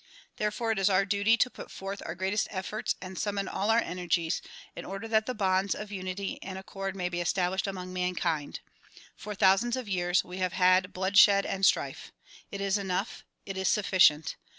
Therefore it is our duty to put forth our greatest efforts and summon all our energies in order that the bonds of unity and accord may be established among mankind. For thousands of years we have had bloodshed and strife. It is enough; it is sufficient.